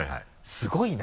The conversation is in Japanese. すごいな！